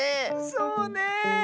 そうねえ。